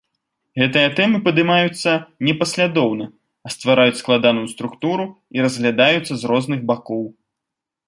Гэтыя тэмы падымаюцца не паслядоўна, а ствараюць складаную структуру і разглядаюцца з розных бакоў.